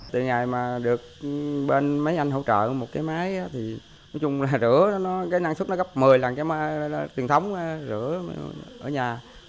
từ ngày mà được bên mấy anh hỗ trợ một cái máy thì nói chung là rửa nó cái năng suất nó gấp một mươi lần cái máy truyền thống rửa ở nhà